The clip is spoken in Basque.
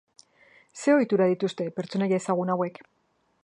Zer ohitura dituzte pertsonaia ezagun hauek?